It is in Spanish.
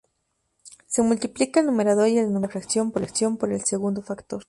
Se multiplica el numerador y el denominador de la fracción por el segundo factor.